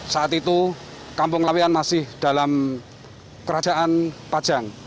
saat itu kampung lawian masih dalam kerajaan pajang